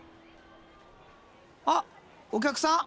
あっお客さん！